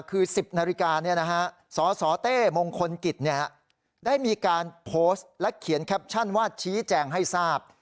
คือ๑๐นาฬิกาสสเต้มงคลกิจได้มีการโพสต์และเขียนแคปชั่นว่าชี้แจงให้ทราบ